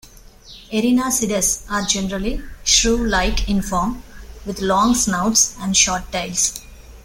Erinaceids are generally shrew-like in form, with long snouts and short tails.